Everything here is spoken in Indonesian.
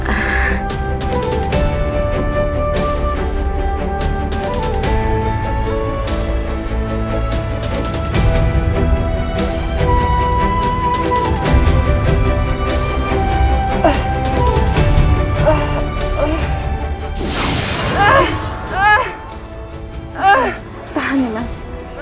alhamdulillah masih ada nimas